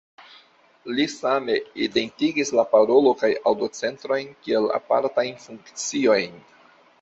Li same identigis la parolo- kaj aŭdo-centrojn kiel apartajn funkciojn.